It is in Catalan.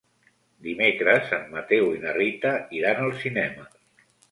Dimecres en Mateu i na Rita iran al cinema.